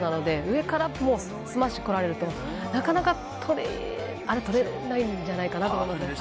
中国のペアは身長が高いので、上からスマッシュが来られると、なかなか取れないんじゃないかなと思います。